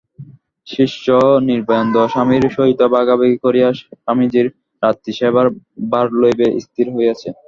শিষ্য নির্ভয়ানন্দ-স্বামীর সহিত ভাগাভাগি করিয়া স্বামীজীর রাত্রিসেবার ভার লইবে, স্থির হইয়াছে।